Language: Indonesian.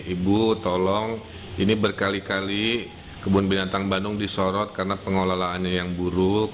ibu tolong ini berkali kali kebun binatang bandung disorot karena pengelolaannya yang buruk